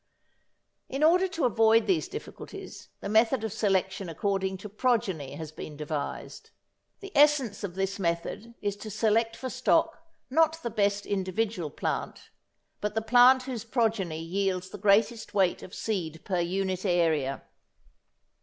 In order to avoid these difficulties the method of selection according to progeny has been devised. The essence of this method is to select for stock, not the best individual plant, but the plant whose progeny yields the greatest weight of seed per unit area.